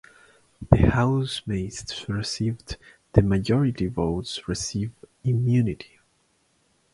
The housemates received the majority votes receive immunity.